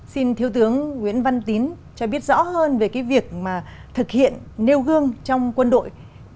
xin thiếu tướng nguyễn văn tín cho biết rõ hơn về việc thực hiện nêu gương trong quân đội